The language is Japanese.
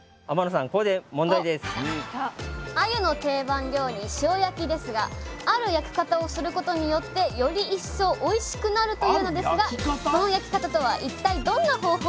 あゆの定番料理塩焼きですがある焼き方をすることによってより一層おいしくなるというのですがその焼き方とは一体どんな方法でしょうか？